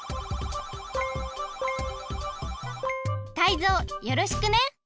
タイゾウよろしくね！